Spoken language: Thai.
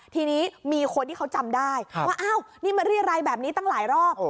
ทีนี้มีคนที่เขาจำได้ว่าอ้าวนี่มาเรียรัยแบบนี้ตั้งหลายรอบ